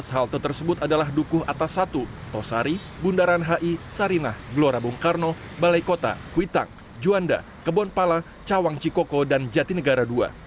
sebelas halte tersebut adalah dukuh atas satu osari bundaran hi sarinah glorabung karno balai kota kuitang juanda kebonpala cawang cikoko dan jatinegara dua